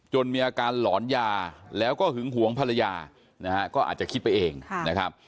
มีอาการหลอนยาแล้วก็หึงหวงภรรยานะฮะก็อาจจะคิดไปเองนะครับ